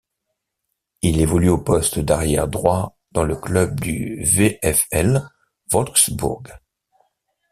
Il évolue au poste d'arrière droit dans le club du VfL Wolfsbourg.